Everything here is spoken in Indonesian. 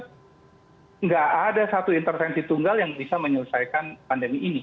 tidak ada satu intervensi tunggal yang bisa menyelesaikan pandemi ini